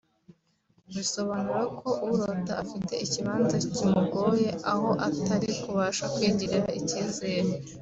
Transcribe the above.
bisobanura ko urota afite ikibazo kimugoye aho atari kubasha kwigirira icyizere